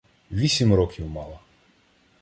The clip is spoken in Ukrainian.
Вісім років мала.